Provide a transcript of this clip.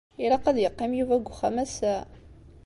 Ilaq ad yeqqim Yuba deg uxxam ass-a?